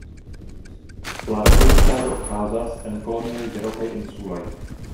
La reproduktado okazas en kolonioj de rokaj insuloj.